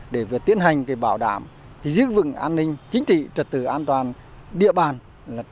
để tiến hành bảo đảm giữ vững an ninh chính trị trật tự an toàn địa bàn của tỉnh